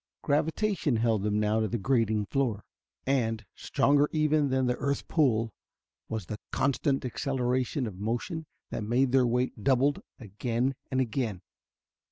Gravitation held them now to the grating floor. And, stronger even than the earth pull, was the constant acceleration of motion that made their weight doubled again and again.